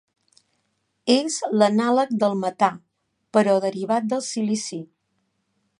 És l'anàleg del metà, però derivat del silici.